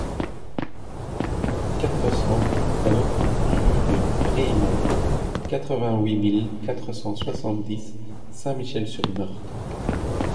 quatre cent un rue de Brehimont, quatre-vingt-huit mille quatre cent soixante-dix Saint-Michel-sur-Meurthe